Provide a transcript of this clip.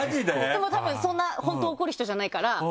でもたぶんそんな本当怒る人じゃないから。